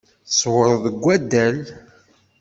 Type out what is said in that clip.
Tẓewrem deg waddal?